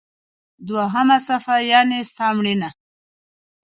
دوهمه صفحه: یعنی ستا مړینه.